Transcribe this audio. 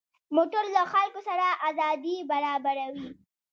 موټر له خلکو سره ازادي برابروي.